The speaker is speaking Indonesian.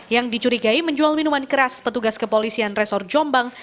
yang dicurigai menjual minuman keras petugas kepolisian resor jombang